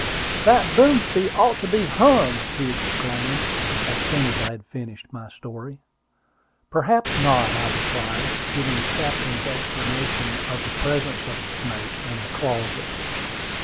"That Boomsby ought to be hung!" he exclaimed, as soon as I had finished my story. "Perhaps not," I replied, giving the captain's explanation of the presence of the snake in the closet.